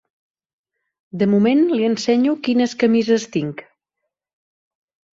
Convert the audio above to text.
De moment li ensenyo quines camises tinc.